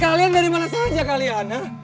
kalian dari mana saja kalian